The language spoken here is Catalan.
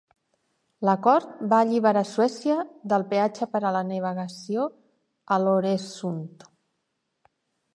L'acord va alliberar Suècia del peatge per a la navegació a l'Øresund.